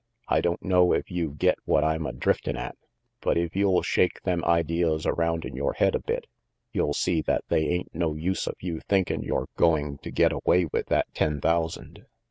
I don't know if you get what I'm a driftin' at, but if you'll shake them ideas around in yore head a bit you'll see that they ain't no use of you thinkin' you're going to get away with that ten thousand."